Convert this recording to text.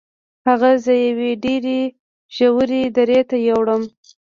هغه زه یوې ډیرې ژورې درې ته یووړم.